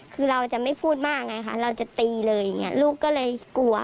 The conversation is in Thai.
คือเราจะไม่พูดมากไงคะเราจะตีเลยอย่างนี้ลูกก็เลยกลัว